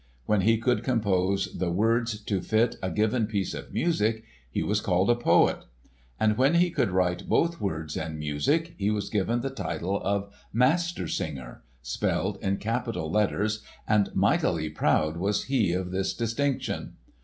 When he could compose the words to fit a given piece of music, he was called a poet. And when he could write both words and music he was given the title of Master Singer, spelled in capital letters, and mightily proud was he of this distinction!